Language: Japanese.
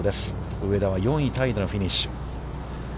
上田は４位タイでのフィニッシュ。